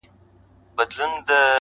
تـلاوت دي د ښايستو شعرو كومه-